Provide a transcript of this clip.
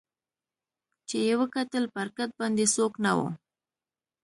چي یې وکتل پر کټ باندي څوک نه وو